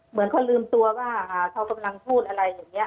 เหมือนเขาลืมตัวว่าเขากำลังพูดอะไรอย่างนี้